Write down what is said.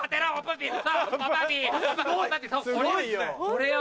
これよ。